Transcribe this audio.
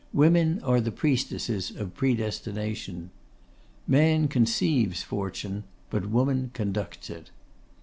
Women are the Priestesses of Predestination. Man conceives Fortune, but Woman conducts it.